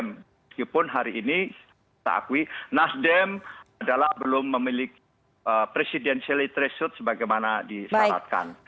meskipun hari ini kita akui nasdem adalah belum memiliki presidensiality threshold sebagaimana disyaratkan